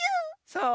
そう？